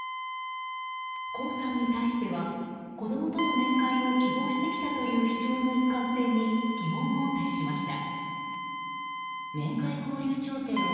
江さんに対しては子供との面会を希望してきたとの主張の一貫性に疑問を呈しました。